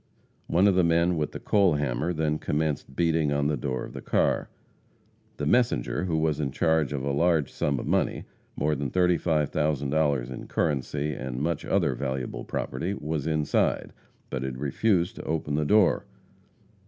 One of the men with the coal hammer then commenced beating in the door of the car. The messenger, who was in charge of a large sum of money more than $35,000 in currency, and much other valuable property was inside, but had refused to open the door.